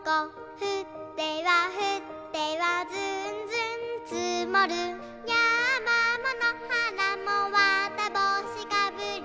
「ふってはふってはずんずんつもる」「やまものはらもわたぼうしかぶり」